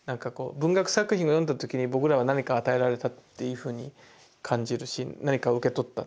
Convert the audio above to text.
文学作品を読んだときに僕らは何か与えられたっていうふうに感じるし何かを受け取ったと。